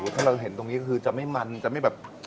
ถ้าเราเห็นตรงนี้ก็คือจะไม่มันจะไม่แบบ